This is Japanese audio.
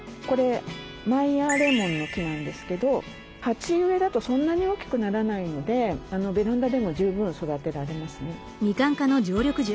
これマイヤーレモンの木なんですけど鉢植えだとそんなに大きくならないのでベランダでも十分育てられますね。